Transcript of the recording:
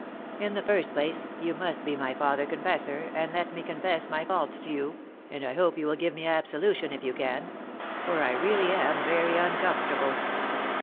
In the first place you must be my father confessor, and let me confess my faults to you, and I hope you will give me absolution if you can ; for I really am very uncomfortable."